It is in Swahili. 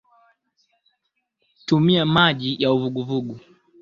tumia maji ya uvuguvugu